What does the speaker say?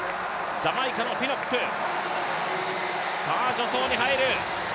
ジャマイカのピノック、さあ助走に入る。